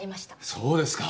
そうですか！